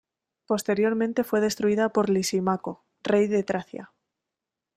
Posteriormente fue destruida por Lisímaco, rey de Tracia.